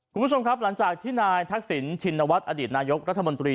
คุณผู้ชมครับหลังจากที่นายทักษิณชินวัฒน์อดีตนายกรัฐมนตรี